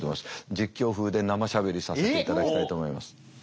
実況風で生しゃべりさせていただきたいと思います。